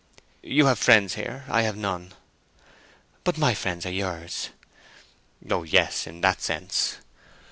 "You have friends here. I have none." "But my friends are yours." "Oh yes—in that sense."